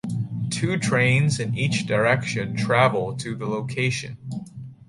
Two trains in each direction travel to the location.